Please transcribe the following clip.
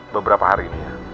beberapa hari ini